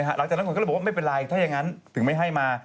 หลังจากนั้นคนก็เลยบอกว่าไม่เป็นไรถ้าอย่างนั้นถึงไม่ให้มา